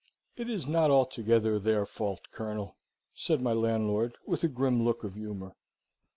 "It is not altogether their fault, Colonel," said my landlord, with a grim look of humour.